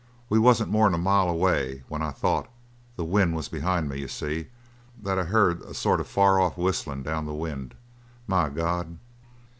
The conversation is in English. We wasn't more'n a mile away when I thought the wind was behind me, you see that I heard a sort of far off whistling down the wind! My God!"